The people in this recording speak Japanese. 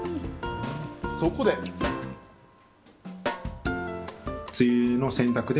そこで。